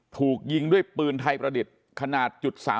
ถูกยิงด้วยปืนไทยประดิษฐ์ขนาด๓๓